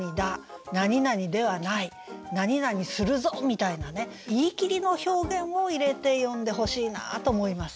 例えばみたいなね言い切りの表現を入れて詠んでほしいなと思います。